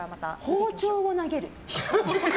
包丁を投げる。